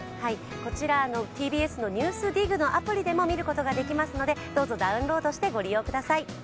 こちらＴＢＳの「ＮＥＷＳＤＩＧ」のアプリでも見ることができますので、どうぞダウンロードしてご利用ください。